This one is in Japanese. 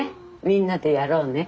みんなでやろうね。